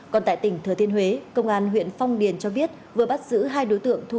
còn tại tỉnh thừa thiên huế công an huyện phong điền cho biết vừa bắt giữ hai đối tượng